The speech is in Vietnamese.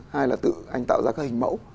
hai là tự anh tạo ra các hình mẫu